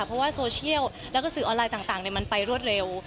เพราะว่าโซเชียลแล้วก็สื่อออนไลน์ต่างมันไปรวดเร็ว